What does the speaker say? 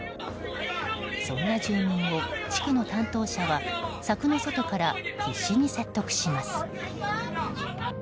そんな住民を地区の担当者は柵の外から必死に説得します。